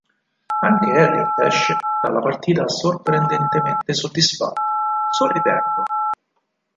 Anche Elliott esce dalla partita sorprendentemente soddisfatto, sorridendo.